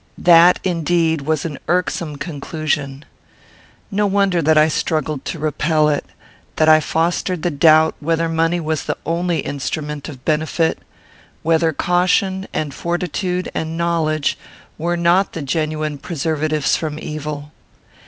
That, indeed, was an irksome conclusion. No wonder that I struggled to repel it; that I fostered the doubt whether money was the only instrument of benefit; whether caution, and fortitude, and knowledge, were not the genuine preservatives from evil.